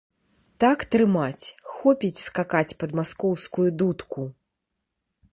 Так трымаць, хопіць скакаць пад маскоўскую дудку!